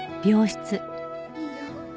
いいよ。